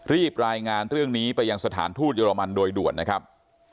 รายงานเรื่องนี้ไปยังสถานทูตเยอรมันโดยด่วนนะครับ